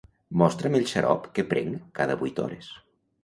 Mostra'm el xarop que prenc cada vuit hores.